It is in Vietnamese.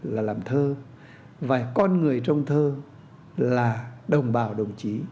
là làm thơ và con người trong thơ là đồng bào đồng chí